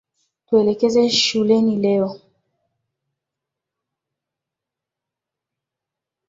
Tuelekeze shuleni leo.